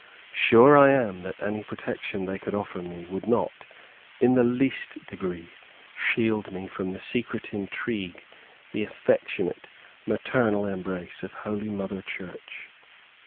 Sure I am, that any protection they could offer me, would not, in the least degree, shield me from the secret intrigue, the affectionate, maternal embrace of holy Mother Church.